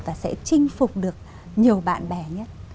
và sẽ chinh phục được nhiều bạn bè nhất